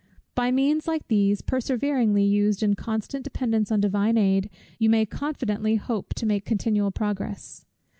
By means like these, perseveringly used in constant dependence on Divine aid, you may confidentially hope to make continual progress.